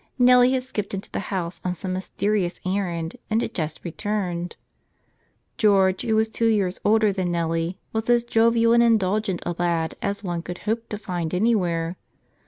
Nellie had skipped into the house on some mys¬ terious errand and had just returned. George, who was two years older than Nellie, was as jovial and indulgent a lad as one could hope to find anywhere.